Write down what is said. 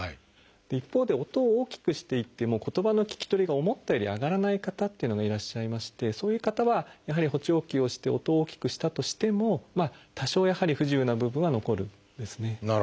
一方で音を大きくしていっても言葉の聞き取りが思ったより上がらない方というのがいらっしゃいましてそういう方はやはり補聴器をして音を大きくしたとしても多少やはり不自由な部分は残るんですね。